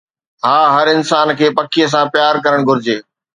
ها، هر انسان کي پکيءَ سان پيار ڪرڻ گهرجي